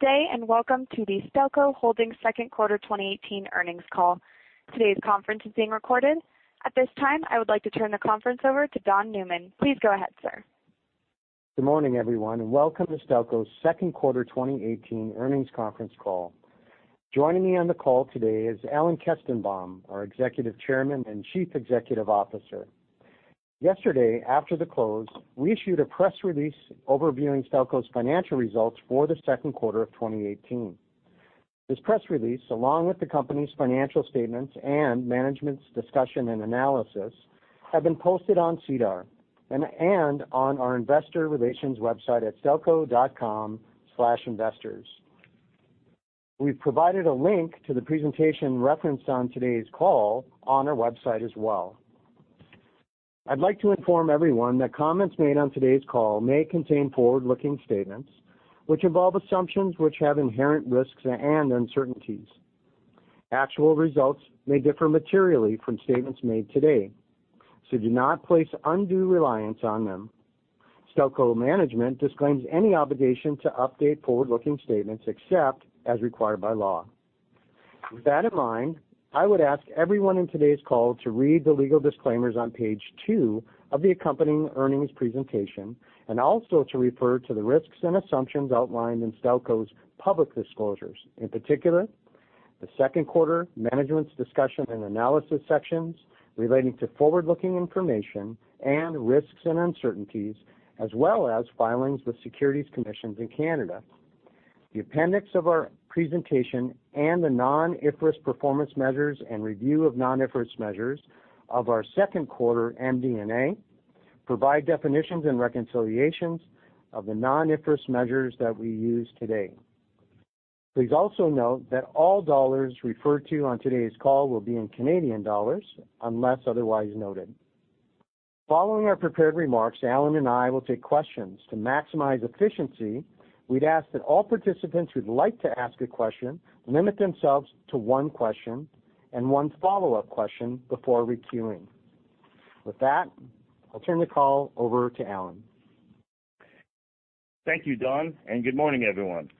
Good day, welcome to the Stelco Holdings second quarter 2018 earnings call. Today's conference is being recorded. At this time, I would like to turn the conference over to Don Newman. Please go ahead, sir. Good morning, everyone, welcome to Stelco's second quarter 2018 earnings conference call. Joining me on the call today is Alan Kestenbaum, our Executive Chairman and Chief Executive Officer. Yesterday, after the close, we issued a press release overviewing Stelco's financial results for the second quarter of 2018. This press release, along with the company's financial statements and management's discussion and analysis, have been posted on SEDAR and on our investor relations website at stelco.com/investors. We've provided a link to the presentation referenced on today's call on our website as well. I'd like to inform everyone that comments made on today's call may contain forward-looking statements, which involve assumptions which have inherent risks and uncertainties. Actual results may differ materially from statements made today, do not place undue reliance on them. Stelco management disclaims any obligation to update forward-looking statements except as required by law. With that in mind, I would ask everyone in today's call to read the legal disclaimers on page two of the accompanying earnings presentation, also to refer to the risks and assumptions outlined in Stelco's public disclosures. In particular, the second quarter management's discussion and analysis sections relating to forward-looking information and risks and uncertainties, as well as filings with securities commissions in Canada. The appendix of our presentation and the non-IFRS performance measures and review of non-IFRS measures of our second quarter MD&A provide definitions and reconciliations of the non-IFRS measures that we use today. Please also note that all dollars referred to on today's call will be in Canadian dollars unless otherwise noted. Following our prepared remarks, Alan and I will take questions. To maximize efficiency, we'd ask that all participants who'd like to ask a question limit themselves to one question and one follow-up question before requeuing. With that, I'll turn the call over to Alan. Thank you, Don, and good morning, everyone.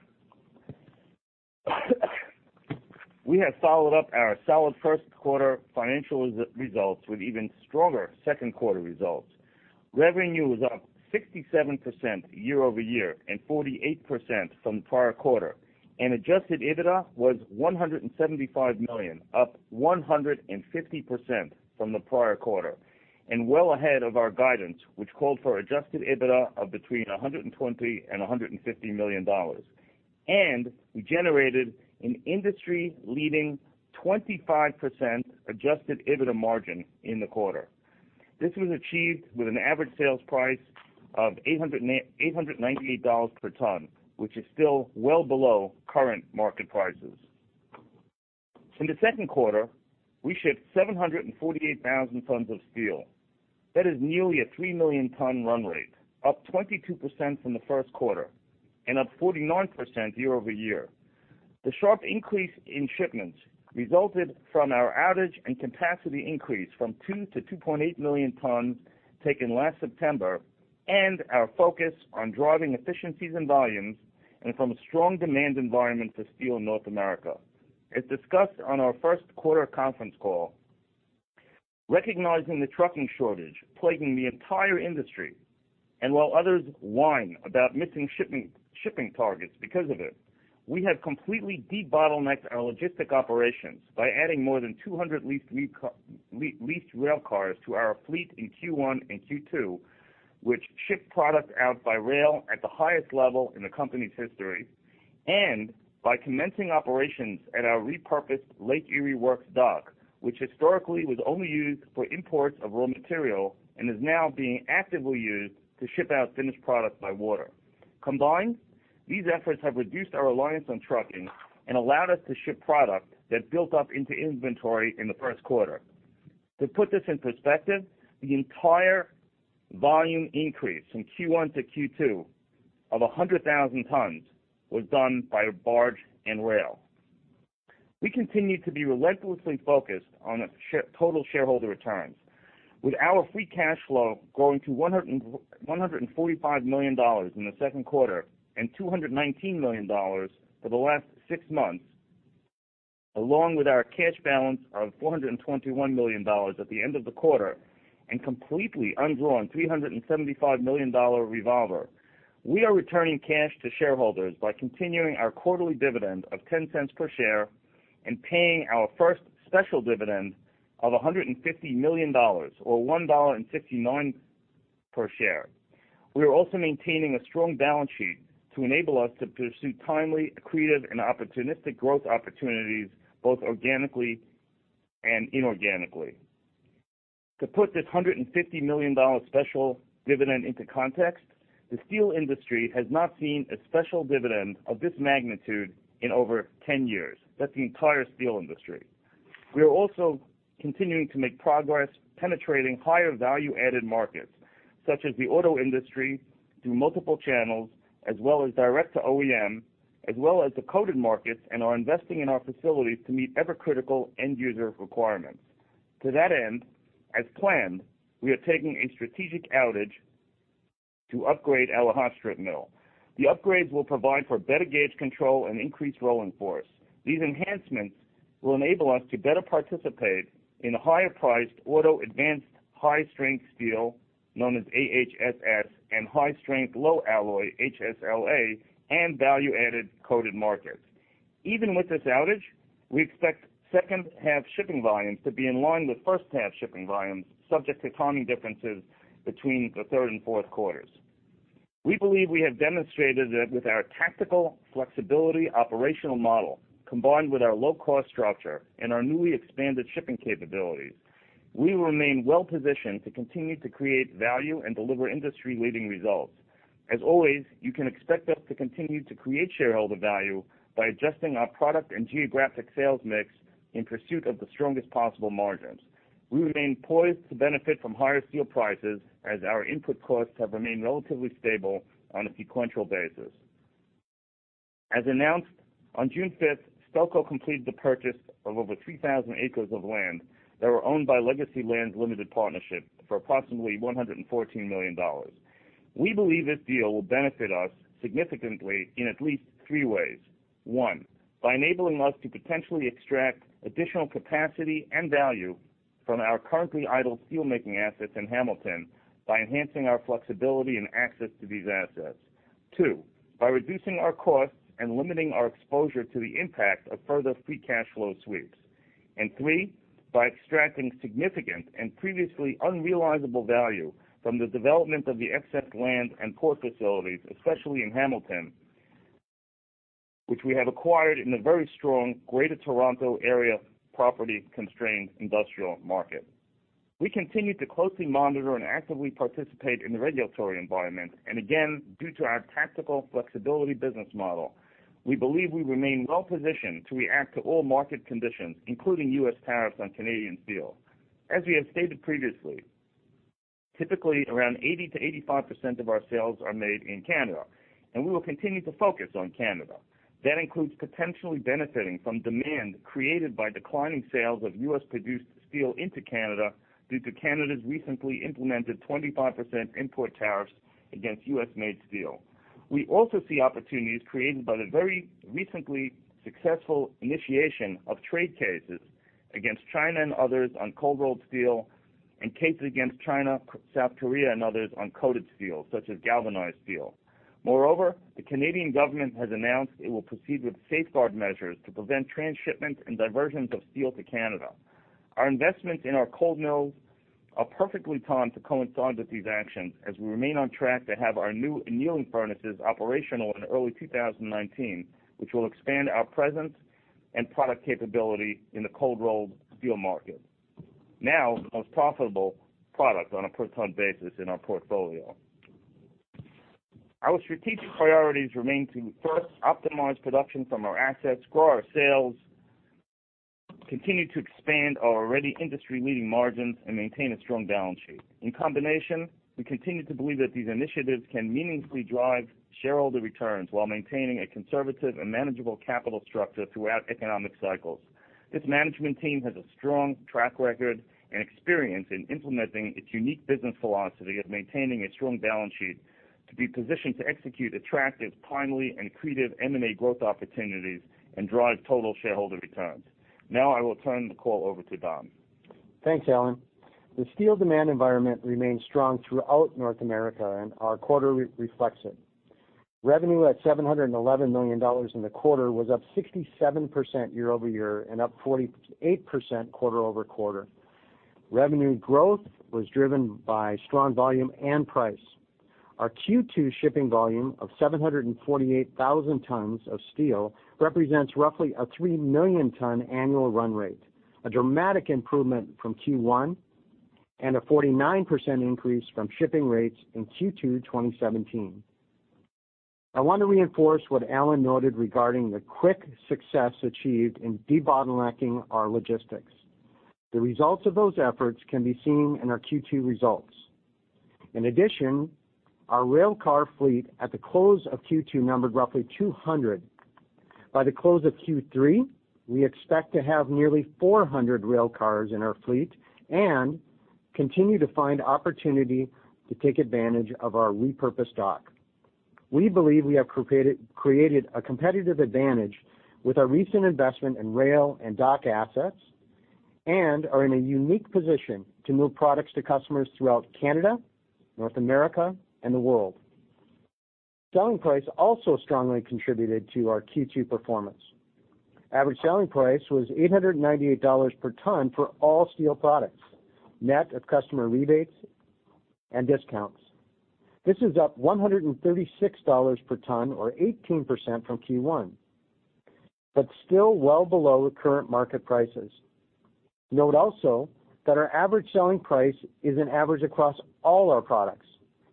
We have followed up our solid first quarter financial results with even stronger second quarter results. Revenue was up 67% year-over-year and 48% from the prior quarter. Adjusted EBITDA was 175 million, up 150% from the prior quarter, and well ahead of our guidance, which called for adjusted EBITDA of between 120 million and 150 million dollars. We generated an industry-leading 25% adjusted EBITDA margin in the quarter. This was achieved with an average sales price of 898 dollars per ton, which is still well below current market prices. In the second quarter, we shipped 748,000 tons of steel. That is nearly a 3 million ton run rate, up 22% from the first quarter and up 49% year-over-year. The sharp increase in shipments resulted from our outage and capacity increase from 2 million to 2.8 million tons taken last September and our focus on driving efficiencies and volumes and from a strong demand environment for steel in North America. As discussed on our first quarter conference call, recognizing the trucking shortage plaguing the entire industry, and while others whine about missing shipping targets because of it, we have completely debottlenecked our logistic operations by adding more than 200 leased rail cars to our fleet in Q1 and Q2, which ship product out by rail at the highest level in the company's history, and by commencing operations at our repurposed Lake Erie Works dock, which historically was only used for imports of raw material and is now being actively used to ship out finished product by water. Combined, these efforts have reduced our reliance on trucking and allowed us to ship product that built up into inventory in the first quarter. To put this in perspective, the entire volume increase from Q1 to Q2 of 100,000 tons was done by barge and rail. We continue to be relentlessly focused on total shareholder returns. With our free cash flow growing to 145 million dollars in the second quarter and 219 million dollars for the last six months, along with our cash balance of 421 million dollars at the end of the quarter and completely undrawn 375 million dollar revolver, we are returning cash to shareholders by continuing our quarterly dividend of 0.10 per share and paying our first special dividend of 150 million dollars or 1.59 dollar per share. We are also maintaining a strong balance sheet to enable us to pursue timely, accretive, and opportunistic growth opportunities, both organically and inorganically. To put this 150 million dollars special dividend into context, the steel industry has not seen a special dividend of this magnitude in over 10 years. That's the entire steel industry. We are also continuing to make progress penetrating higher value-added markets, such as the auto industry through multiple channels, as well as direct to OEM, as well as the coated markets and are investing in our facilities to meet ever-critical end-user requirements. To that end, as planned, we are taking a strategic outage to upgrade our Hot Strip Mill. The upgrades will provide for better gauge control and increased rolling force. These enhancements will enable us to better participate in the higher-priced auto advanced high-strength steel, known as AHSS, and high-strength low alloy, HSLA, and value-added coated markets. Even with this outage, we expect second-half shipping volumes to be in line with first-half shipping volumes, subject to timing differences between the third and fourth quarters. We believe we have demonstrated that with our tactical flexibility operational model, combined with our low-cost structure and our newly expanded shipping capabilities, we remain well-positioned to continue to create value and deliver industry-leading results. As always, you can expect us to continue to create shareholder value by adjusting our product and geographic sales mix in pursuit of the strongest possible margins. We remain poised to benefit from higher steel prices as our input costs have remained relatively stable on a sequential basis. As announced on June 5th, Stelco completed the purchase of over 3,000 acres of land that were owned by Legacy Lands Limited Partnership for approximately 114 million dollars. We believe this deal will benefit us significantly in at least three ways. One, by enabling us to potentially extract additional capacity and value from our currently idle steelmaking assets in Hamilton by enhancing our flexibility and access to these assets. Two, by reducing our costs and limiting our exposure to the impact of further free cash flow sweeps. Three, by extracting significant and previously unrealizable value from the development of the excess land and port facilities, especially in Hamilton, which we have acquired in the very strong Greater Toronto Area, property-constrained industrial market. We continue to closely monitor and actively participate in the regulatory environment. Again, due to our tactical flexibility business model, we believe we remain well-positioned to react to all market conditions, including U.S. tariffs on Canadian steel. As we have stated previously, typically around 80%-85% of our sales are made in Canada, and we will continue to focus on Canada. That includes potentially benefiting from demand created by declining sales of U.S.-produced steel into Canada due to Canada's recently implemented 25% import tariffs against U.S.-made steel. We also see opportunities created by the very recently successful initiation of trade cases against China and others on cold-rolled steel and cases against China, South Korea, and others on coated steel, such as galvanized steel. Moreover, the Canadian government has announced it will proceed with safeguard measures to prevent transshipments and diversions of steel to Canada. Our investments in our cold mills are perfectly timed to coincide with these actions as we remain on track to have our new annealing furnaces operational in early 2019, which will expand our presence and product capability in the cold-rolled steel market, now the most profitable product on a per-ton basis in our portfolio. Our strategic priorities remain to, first, optimize production from our assets, grow our sales, continue to expand our already industry-leading margins, and maintain a strong balance sheet. In combination, we continue to believe that these initiatives can meaningfully drive shareholder returns while maintaining a conservative and manageable capital structure throughout economic cycles. This management team has a strong track record and experience in implementing its unique business philosophy of maintaining a strong balance sheet to be positioned to execute attractive, timely, and accretive M&A growth opportunities and drive total shareholder returns. Now I will turn the call over to Don. Thanks, Alan. The steel demand environment remains strong throughout North America, and our quarter reflects it. Revenue at 711 million dollars in the quarter was up 67% year-over-year and up 48% quarter-over-quarter. Revenue growth was driven by strong volume and price. Our Q2 shipping volume of 748,000 tons of steel represents roughly a 3 million-ton annual run rate, a dramatic improvement from Q1, and a 49% increase from shipping rates in Q2 2017. I want to reinforce what Alan noted regarding the quick success achieved in debottlenecking our logistics. The results of those efforts can be seen in our Q2 results. In addition, our railcar fleet at the close of Q2 numbered roughly 200. By the close of Q3, we expect to have nearly 400 railcars in our fleet and continue to find opportunity to take advantage of our repurposed dock. We believe we have created a competitive advantage with our recent investment in rail and dock assets and are in a unique position to move products to customers throughout Canada, North America, and the world. Selling price also strongly contributed to our Q2 performance. Average selling price was 898 dollars per ton for all steel products, net of customer rebates and discounts. This is up 136 dollars per ton or 18% from Q1, but still well below current market prices. Note also that our average selling price is an average across all our products,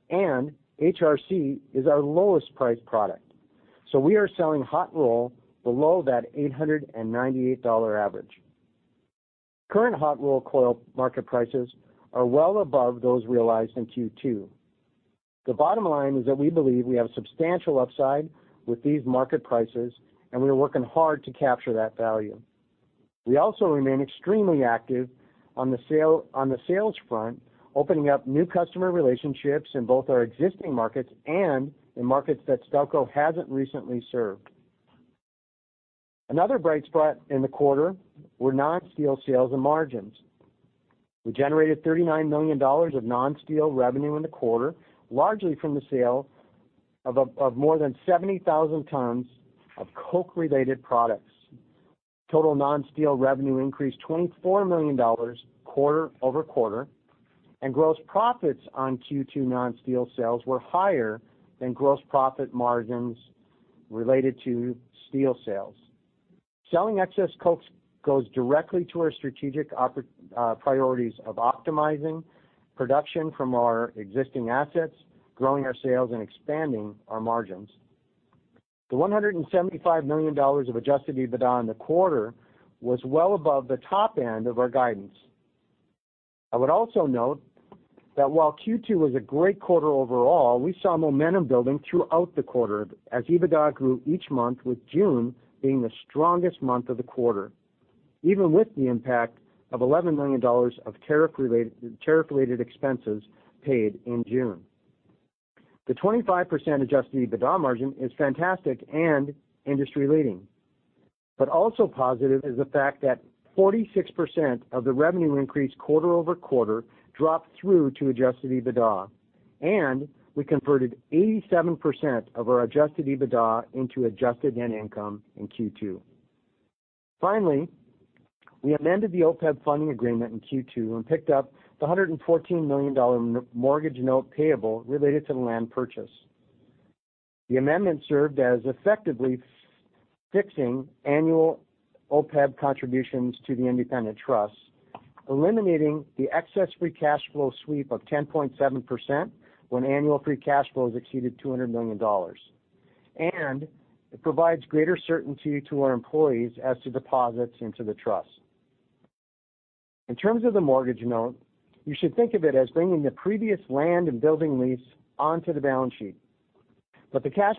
and HRC is our lowest-priced product. We are selling hot roll below that 898 dollar average. Current hot roll coil market prices are well above those realized in Q2. The bottom line is that we believe we have substantial upside with these market prices. We are working hard to capture that value. We also remain extremely active on the sales front, opening up new customer relationships in both our existing markets and in markets that Stelco hasn't recently served. Another bright spot in the quarter were non-steel sales and margins. We generated 39 million dollars of non-steel revenue in the quarter, largely from the sale of more than 70,000 tons of coke-related products. Total non-steel revenue increased CAD 24 million quarter-over-quarter. Gross profits on Q2 non-steel sales were higher than gross profit margins related to steel sales. Selling excess coke goes directly to our strategic priorities of optimizing production from our existing assets, growing our sales, and expanding our margins. The 175 million dollars of adjusted EBITDA in the quarter was well above the top end of our guidance. I would also note that while Q2 was a great quarter overall, we saw momentum building throughout the quarter as EBITDA grew each month, with June being the strongest month of the quarter, even with the impact of 11 million dollars of tariff-related expenses paid in June. The 25% adjusted EBITDA margin is fantastic and industry-leading. Also positive is the fact that 46% of the revenue increase quarter-over-quarter dropped through to adjusted EBITDA. We converted 87% of our adjusted EBITDA into adjusted net income in Q2. Finally, we amended the OPEB funding agreement in Q2 and picked up the 114 million dollar mortgage note payable related to the land purchase. The amendment served as effectively fixing annual OPEB contributions to the independent trust, eliminating the excess free cash flow sweep of 10.7% when annual free cash flows exceeded 200 million dollars, it provides greater certainty to our employees as to deposits into the trust. In terms of the mortgage note, you should think of it as bringing the previous land and building lease onto the balance sheet. The cash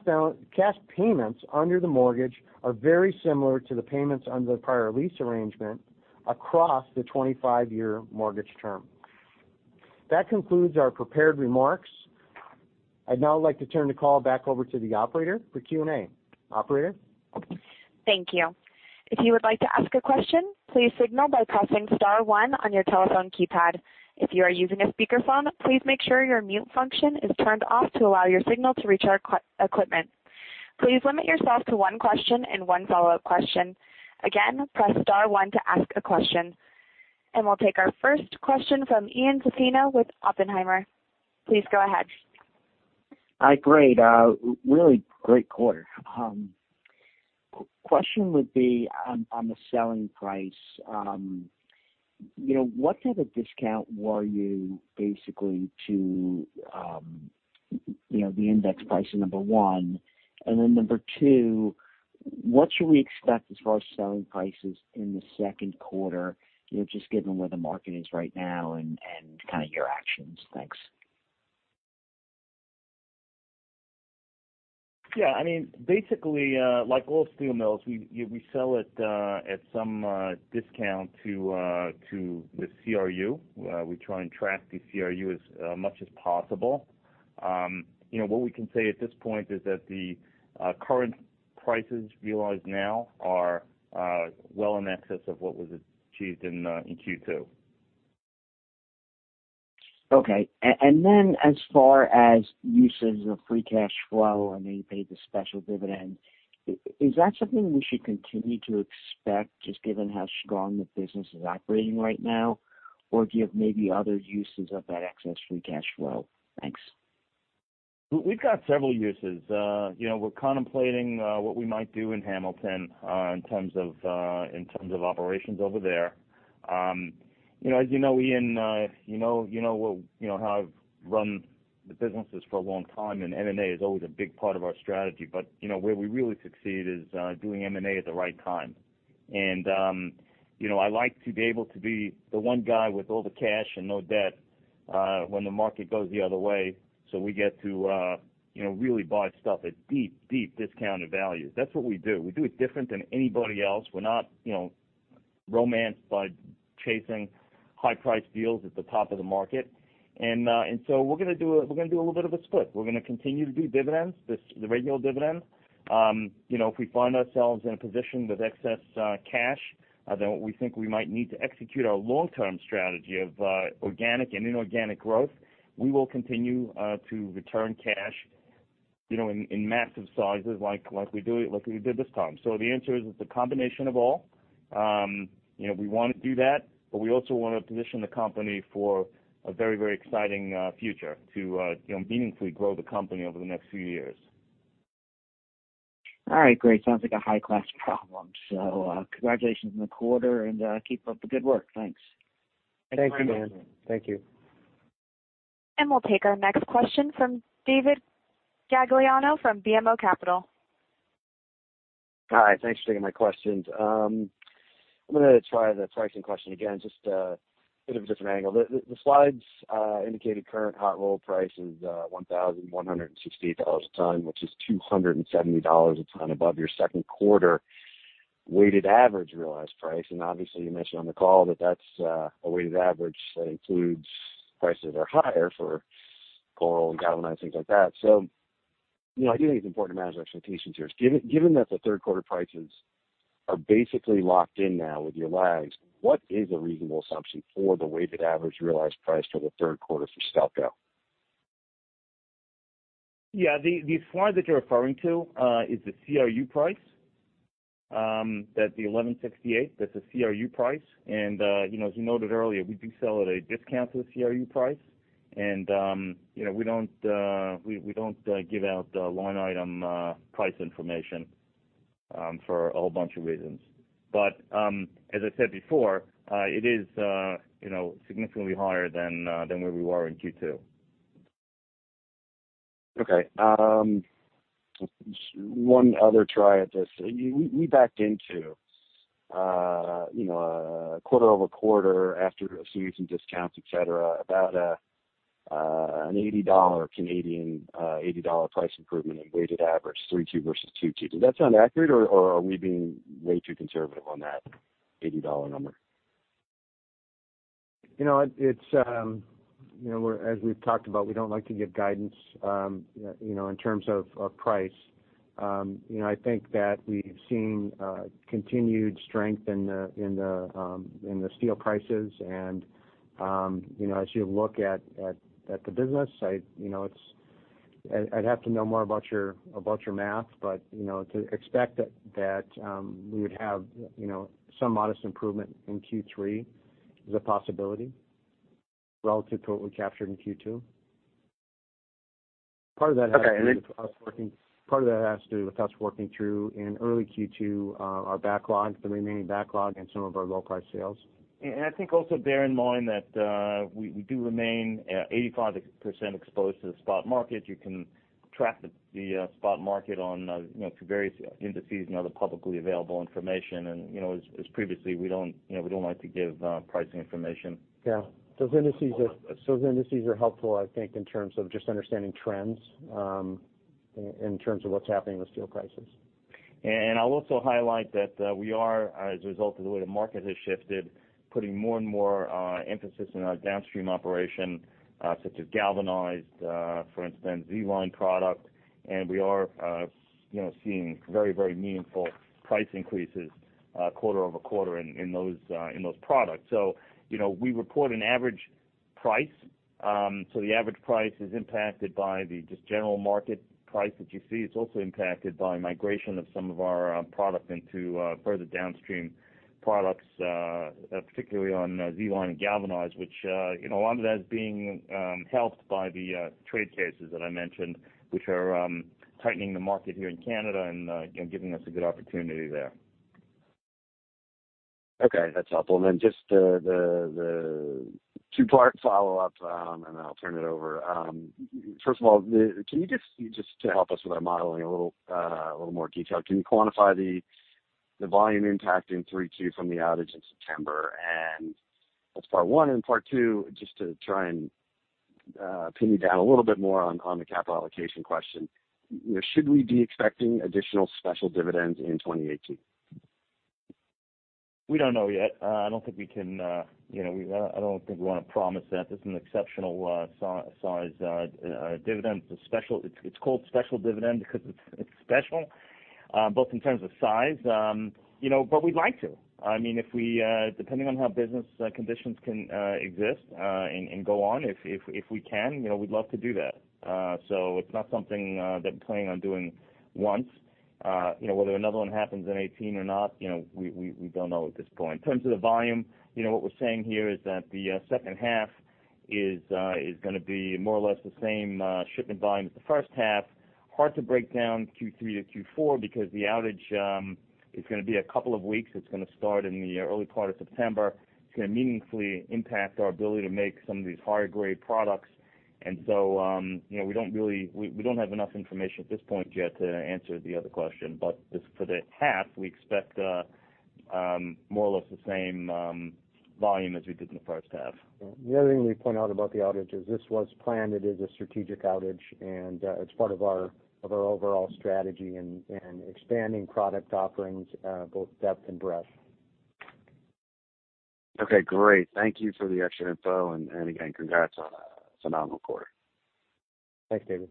payments under the mortgage are very similar to the payments under the prior lease arrangement across the 25-year mortgage term. That concludes our prepared remarks. I'd now like to turn the call back over to the operator for Q&A. Operator? Thank you. If you would like to ask a question, please signal by pressing *1 on your telephone keypad. If you are using a speakerphone, please make sure your mute function is turned off to allow your signal to reach our equipment. Please limit yourself to one question and one follow-up question. Again, press *1 to ask a question. We'll take our first question from Ian Zaffino with Oppenheimer. Please go ahead. Hi, great. A really great quarter. Question would be on the selling price. What type of discount were you basically to the index price, number 1? Number 2, what should we expect as far as selling prices in the second quarter, just given where the market is right now and kind of your actions? Thanks. Yeah. Basically, like all steel mills, we sell at some discount to the CRU. We try and track the CRU as much as possible. What we can say at this point is that the current prices realized now are well in excess of what was achieved in Q2. Okay. As far as uses of free cash flow, I know you paid the special dividend. Is that something we should continue to expect, just given how strong the business is operating right now? Do you have maybe other uses of that excess free cash flow? Thanks. We've got several uses. We're contemplating what we might do in Hamilton in terms of operations over there. As you know, Ian, you know how I've run the businesses for a long time, M&A is always a big part of our strategy. Where we really succeed is doing M&A at the right time. I like to be able to be the one guy with all the cash and no debt when the market goes the other way, so we get to really buy stuff at deep, deep discounted values. That's what we do. We do it different than anybody else. We're not romanced by chasing high-priced deals at the top of the market. We're going to do a little bit of a split. We're going to continue to do dividends, the regular dividend. If we find ourselves in a position with excess cash than what we think we might need to execute our long-term strategy of organic and inorganic growth, we will continue to return cash in massive sizes like we did this time. The answer is, it's a combination of all. We want to do that, we also want to position the company for a very, very exciting future to meaningfully grow the company over the next few years. All right, great. Sounds like a high-class problem. Congratulations on the quarter, keep up the good work. Thanks. Thank you, Ian. Thank you. We'll take our next question from David Gagliano from BMO Capital. Hi, thanks for taking my questions. I'm going to try the pricing question again, just a bit of a different angle. The slides indicated current hot roll price is 1,168 dollars a ton, which is 270 dollars a ton above your second quarter weighted average realized price. Obviously you mentioned on the call that that's a weighted average that includes prices are higher for coil and galvanized, things like that. I do think it's important to manage our expectations here. Given that the third quarter prices are basically locked in now with your lags, what is a reasonable assumption for the weighted average realized price for the third quarter for Stelco? Yeah. The slide that you're referring to is the CRU price, that the 1,168, that's a CRU price. As you noted earlier, we do sell at a discount to the CRU price. We don't give out the line item price information for a whole bunch of reasons. As I said before, it is significantly higher than where we were in Q2. Okay. One other try at this. We backed into a quarter-over-quarter after assuming some discounts, et cetera, about a 80 Canadian dollars price improvement in weighted average three-two versus two-two. Does that sound accurate, or are we being way too conservative on that CAD 80 number? As we've talked about, we don't like to give guidance in terms of price. I think that we've seen continued strength in the steel prices and as you look at the business, I'd have to know more about your math. To expect that we would have some modest improvement in Q3 is a possibility relative to what we captured in Q2. Okay. Part of that has to do with us working through in early Q2 our backlog, the remaining backlog and some of our low-price sales. I think also bear in mind that we do remain 85% exposed to the spot market. You can track the spot market on through various indices and other publicly available information. As previously, we don't like to give pricing information. Yeah. Those indices are helpful, I think, in terms of just understanding trends, in terms of what's happening with steel prices. I'll also highlight that we are, as a result of the way the market has shifted, putting more and more emphasis in our downstream operation, such as galvanized, for instance, Z-Line product. We are seeing very meaningful price increases quarter-over-quarter in those products. We report an average price. The average price is impacted by the just general market price that you see. It's also impacted by migration of some of our product into further downstream products, particularly on Z-Line and galvanize, a lot of that is being helped by the trade cases that I mentioned, which are tightening the market here in Canada and giving us a good opportunity there. Okay, that's helpful. Then just the two-part follow-up, and then I'll turn it over. First of all, can you just to help us with our modeling, a little more detail, can you quantify the volume impact in three-two from the outage in September? That's part one and part two, just to try and pin you down a little bit more on the capital allocation question. Should we be expecting additional special dividends in 2018? We don't know yet. I don't think we want to promise that. This is an exceptional size dividend. It's called special dividend because it's special, both in terms of size. We'd like to. Depending on how business conditions can exist, and go on, if we can, we'd love to do that. It's not something that we're planning on doing once. Whether another one happens in 2018 or not, we don't know at this point. In terms of the volume, what we're saying here is that the second half is going to be more or less the same shipment volume as the first half. Hard to break down Q3 to Q4 because the outage is going to be a couple of weeks. It's going to start in the early part of September. It's going to meaningfully impact our ability to make some of these higher-grade products. We don't have enough information at this point yet to answer the other question. Just for the half, we expect more or less the same volume as we did in the first half. The other thing we'd point out about the outage is this was planned. It is a strategic outage. It's part of our overall strategy and expanding product offerings, both depth and breadth. Okay, great. Thank you for the extra info. Again, congrats on a phenomenal quarter. Thanks, David.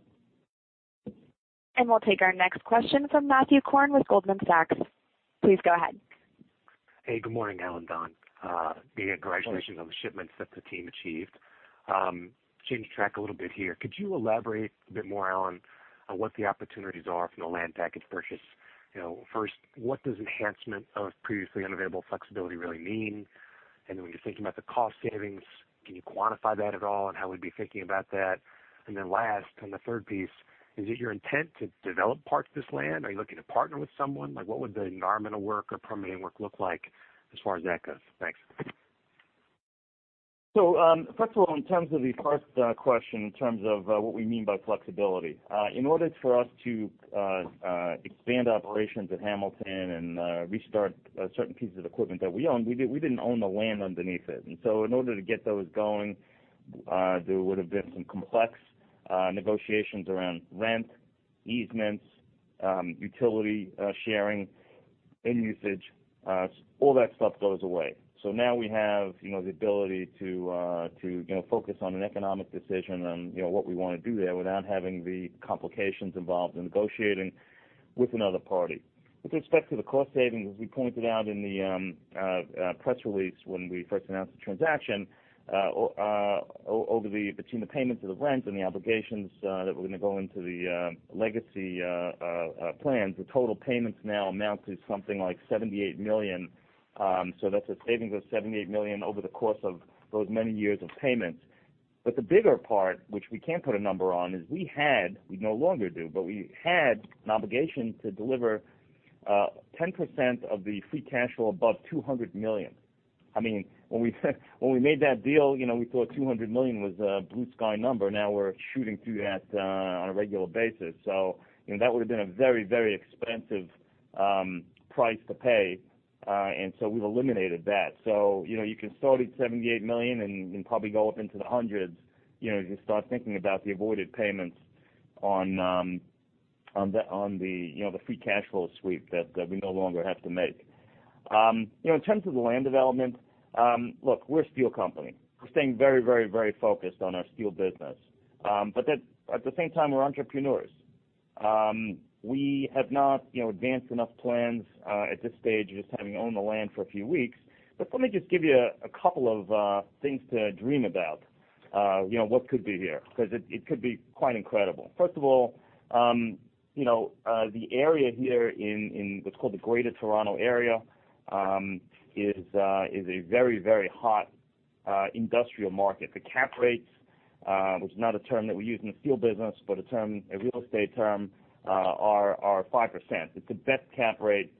We'll take our next question from Matthew Korn with Goldman Sachs. Please go ahead. Hey, good morning, Alan, Don. Congratulations on the shipments that the team achieved. Change track a little bit here. Could you elaborate a bit more, Alan, on what the opportunities are from the land package purchase? First, what does enhancement of previously unavailable flexibility really mean? When you're thinking about the cost savings, can you quantify that at all and how we'd be thinking about that? Last, on the third piece, is it your intent to develop parts of this land? Are you looking to partner with someone? What would the environmental work or permitting work look like as far as that goes? Thanks. First of all, in terms of the first question, in terms of what we mean by flexibility. In order for us to expand operations at Hamilton and restart certain pieces of equipment that we own, we didn't own the land underneath it. In order to get those going, there would have been some complex negotiations around rent, easements, utility sharing and usage. All that stuff goes away. Now we have the ability to focus on an economic decision on what we want to do there without having the complications involved in negotiating with another party. With respect to the cost savings, as we pointed out in the press release when we first announced the transaction, between the payments of the rent and the obligations that were going to go into the Legacy Lands, the total payments now amount to something like 78 million. That's a savings of 78 million over the course of those many years of payments. The bigger part, which we can put a number on, is we had, we no longer do, but we had an obligation to deliver 10% of the free cash flow above 200 million. When we made that deal, we thought 200 million was a blue sky number. Now we're shooting through that on a regular basis. That would have been a very, very expensive price to pay. We've eliminated that. You can start at 78 million and probably go up into the hundreds, if you start thinking about the avoided payments on the free cash flow sweep that we no longer have to make. In terms of the land development, look, we're a steel company. We're staying very focused on our steel business. At the same time, we're entrepreneurs. We have not advanced enough plans at this stage, just having owned the land for a few weeks. Let me just give you a couple of things to dream about what could be here, because it could be quite incredible. First of all, the area here in what's called the Greater Toronto Area, is a very hot industrial market. The cap rates, which is not a term that we use in the steel business, but a real estate term, are 5%. It's the best cap rate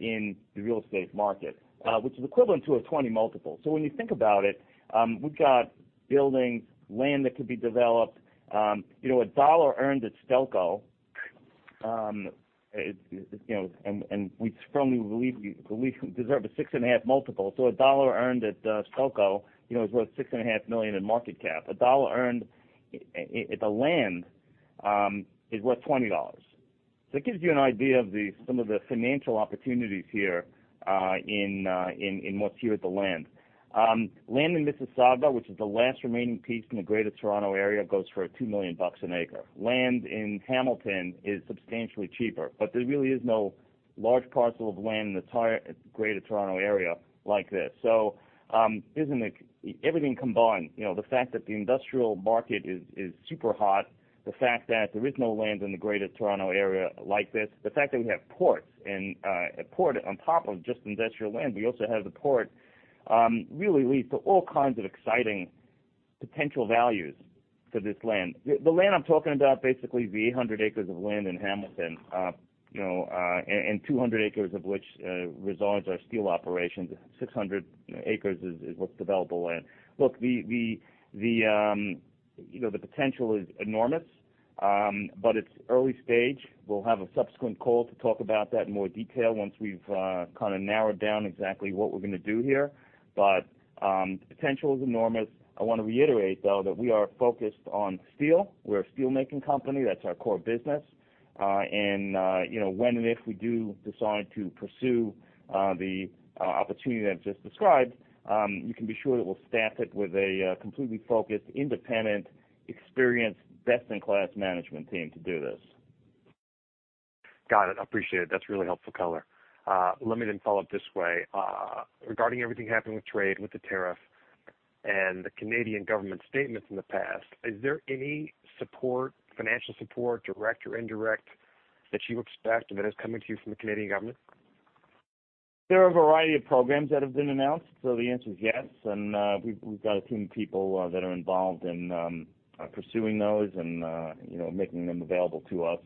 in the real estate market, which is equivalent to a 20x multiple. When you think about it, we've got buildings, land that could be developed. A dollar earned at Stelco, and we strongly believe we deserve a 6.5x multiple, a dollar earned at Stelco, is worth 6.5 million in market cap. A dollar earned at the land, is worth 20 dollars. It gives you an idea of some of the financial opportunities here in what's here at the land. Land in Mississauga, which is the last remaining piece in the Greater Toronto Area, goes for 2 million bucks an acre. Land in Hamilton is substantially cheaper, but there really is no large parcel of land in the entire Greater Toronto Area like this. Everything combined, the fact that the industrial market is super hot, the fact that there is no land in the Greater Toronto Area like this, the fact that we have ports and a port on top of just industrial land, we also have the port, really leads to all kinds of exciting potential values for this land. The land I'm talking about basically is the 800 acres of land in Hamilton, and 200 acres of which involves our steel operations. 600 acres is what's developable land. Look, the potential is enormous. It's early stage. We'll have a subsequent call to talk about that in more detail once we've kind of narrowed down exactly what we're going to do here. The potential is enormous. I want to reiterate, though, that we are focused on steel. We're a steelmaking company. That's our core business. When and if we do decide to pursue the opportunity that I've just described, you can be sure that we'll staff it with a completely focused, independent, experienced, best-in-class management team to do this. Got it. Appreciate it. That's really helpful color. Let me follow up this way. Regarding everything happening with trade, with the tariff, and the Canadian government statements in the past, is there any financial support, direct or indirect, that you expect, and that is coming to you from the Canadian government? There are a variety of programs that have been announced. The answer is yes. We've got a team of people that are involved in pursuing those and making them available to us.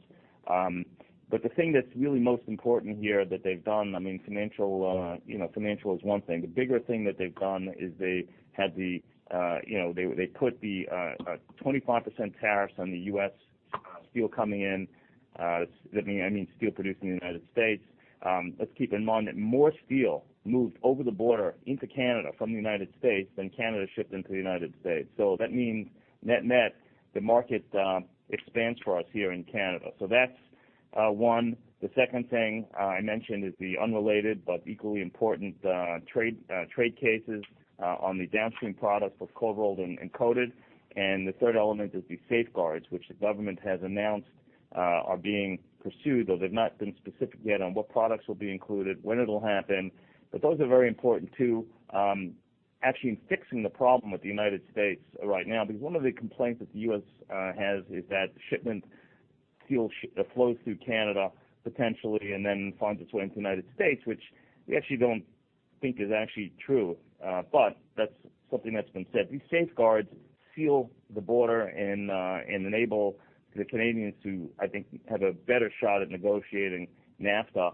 The thing that's really most important here that they've done, financial is one thing. The bigger thing that they've done is they put the 25% tariffs on the U.S. steel coming in. I mean steel produced in the United States. Let's keep in mind that more steel moved over the border into Canada from the United States than Canada shipped into the United States. That means net-net, the market expands for us here in Canada. That's one. The second thing I mentioned is the unrelated but equally important trade cases on the downstream products for cold-rolled and coated. The third element is the safeguards, which the government has announced are being pursued, though they've not been specific yet on what products will be included, when it'll happen. Those are very important, too, actually in fixing the problem with the United States right now. Because one of the complaints that the U.S. has is that shipment steel flows through Canada, potentially, and then finds its way into the United States, which we actually don't think is actually true. That's something that's been said. These safeguards seal the border and enable the Canadians to, I think, have a better shot at negotiating NAFTA.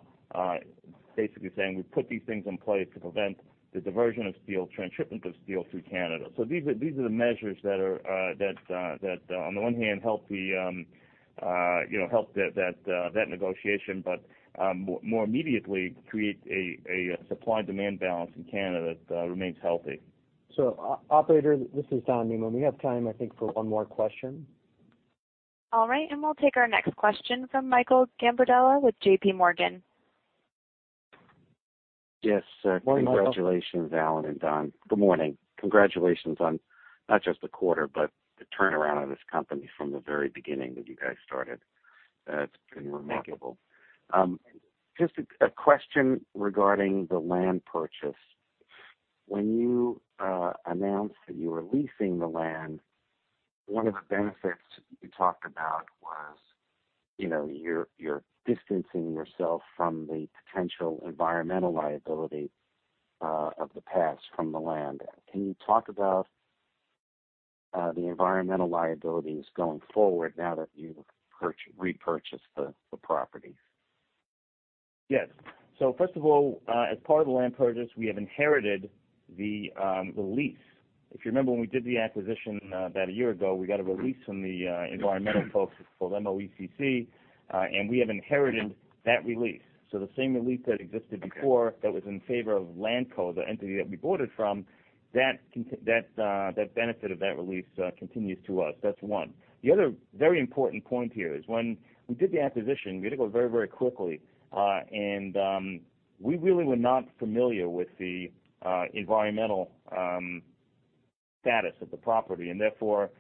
Basically saying we put these things in place to prevent the diversion of steel, transshipment of steel through Canada. These are the measures that on the one hand help that negotiation, but more immediately create a supply-demand balance in Canada that remains healthy. Operator, this is Don Newman. We have time, I think, for one more question. We'll take our next question from Michael Gambardella with J.P. Morgan. Yes. Morning, Michael. Congratulations, Alan and Don. Good morning. Congratulations on not just the quarter, but the turnaround of this company from the very beginning that you guys started. It's been remarkable. Thank you. Just a question regarding the land purchase. When you announced that you were leasing the land, one of the benefits you talked about was you're distancing yourself from the potential environmental liability of the past from the land. Can you talk about the environmental liabilities going forward now that you've repurchased the property? First of all, as part of the land purchase, we have inherited the lease. If you remember, when we did the acquisition about a year ago, we got a release from the environmental folks. It's called MOECC, and we have inherited that release. The same release that existed before that was in favor of LandCo, the entity that we bought it from, that benefit of that release continues to us. That's one. The other very important point here is when we did the acquisition, we did it very quickly, and we really were not familiar with the environmental status of the property, and therefore,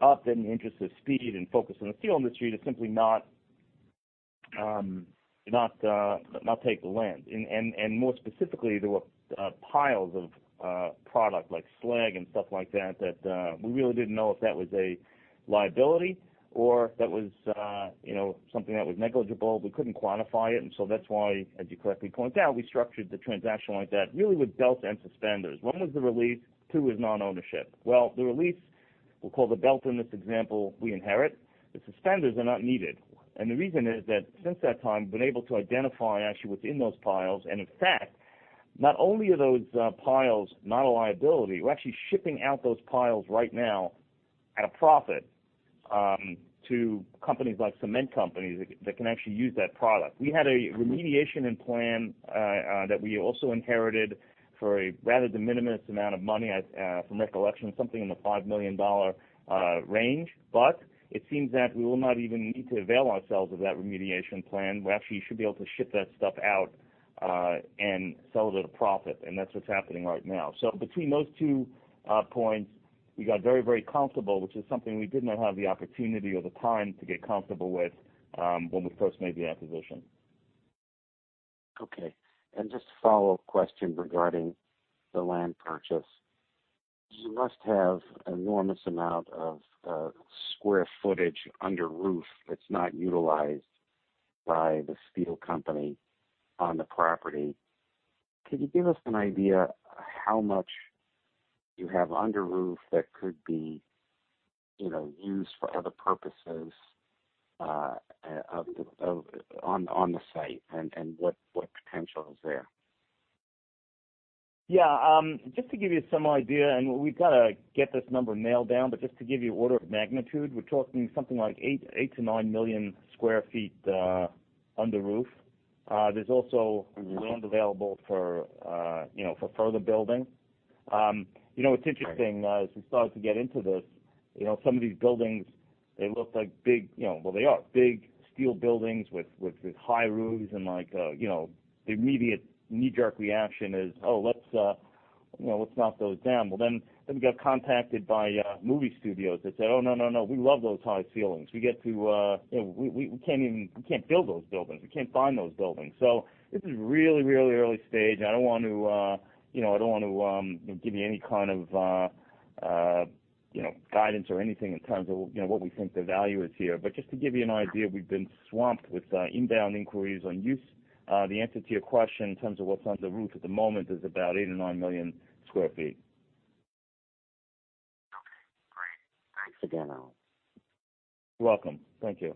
us in the interest of speed and focus on the steel industry, to simply not take the land. More specifically, there were piles of product like slag and stuff like that we really didn't know if that was a liability or if that was something that was negligible. We couldn't quantify it, that's why, as you correctly point out, we structured the transaction like that, really with belt and suspenders. One was the release, two was non-ownership. Well, the release, we'll call the belt in this example, we inherit. The suspenders are not needed. The reason is that since that time, we've been able to identify actually what's in those piles, and in fact, not only are those piles not a liability, we're actually shipping out those piles right now at a profit to companies like cement companies that can actually use that product. We had a remediation and plan that we also inherited for a rather de minimis amount of money, from recollection, something in the 5 million dollar range. It seems that we will not even need to avail ourselves of that remediation plan. We actually should be able to ship that stuff out and sell it at a profit, and that's what's happening right now. Between those two points, we got very comfortable, which is something we did not have the opportunity or the time to get comfortable with when we first made the acquisition. Okay. Just a follow-up question regarding the land purchase. You must have enormous amount of square footage under roof that's not utilized by the steel company on the property. Can you give us an idea how much you have under roof that could be used for other purposes on the site and what potential is there? Yeah. Just to give you some idea, and we've got to get this number nailed down, but just to give you order of magnitude, we're talking something like eight to nine million square feet under roof. There's also land available for further building. What's interesting as we started to get into this, some of these buildings, they look like big Well, they are big steel buildings with high roofs and the immediate knee-jerk reaction is, "Oh, let's knock those down." We got contacted by movie studios that said, "Oh, no, we love those high ceilings. We can't build those buildings. We can't find those buildings." This is really early stage, and I don't want to give you any kind of guidance or anything in terms of what we think the value is here. Just to give you an idea, we've been swamped with inbound inquiries on use. The answer to your question in terms of what's under the roof at the moment is about eight or nine million square feet. Okay, great. Thanks again, Alan. You're welcome. Thank you.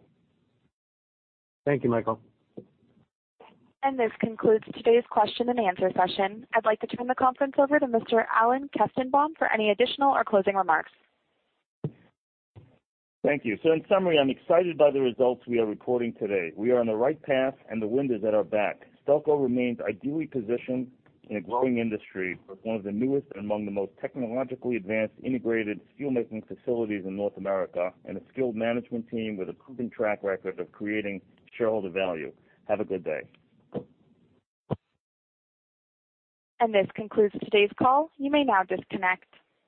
Thank you, Michael. This concludes today's question and answer session. I'd like to turn the conference over to Mr. Alan Kestenbaum for any additional or closing remarks. In summary, I'm excited by the results we are recording today. We are on the right path, and the wind is at our back. Stelco remains ideally positioned in a growing industry with one of the newest and among the most technologically advanced integrated steelmaking facilities in North America and a skilled management team with a proven track record of creating shareholder value. Have a good day. This concludes today's call. You may now disconnect.